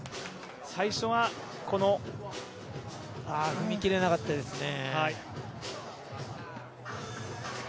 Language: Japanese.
踏み切れなかったですね。